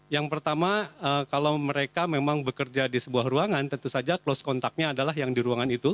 yang pertama kalau mereka memang bekerja di sebuah ruangan tentu saja close contactnya adalah yang di ruangan itu